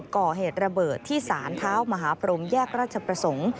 ก่อเหตุระเบิดที่ศาลเท้ามหาพรมแยกราชประสงค์